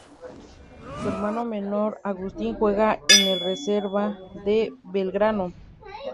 Su hermano menor, Agustín juega en la Reserva de Belgrano.